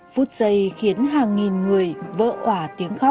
phút giây khiến hàng nghìn người vỡ hỏa tiếng khó